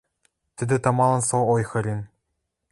Тӹдӹ тамалын со ойхырен.